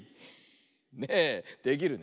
ねえできるね。